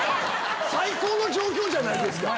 最高の状況じゃないですか！